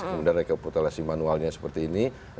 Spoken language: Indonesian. kemudian rekapitulasi manualnya seperti ini